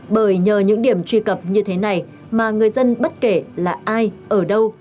bởi nhờ những điểm truy cập như thế này mà người dân bất kể là ai ở đâu